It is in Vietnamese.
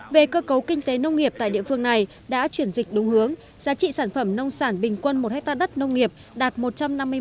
về cơ cấu kinh tế nông nghiệp tại địa phương này đã chuyển dịch đúng hướng giá trị sản phẩm nông sản bình quân một hectare đất nông nghiệp đạt một trăm năm mươi một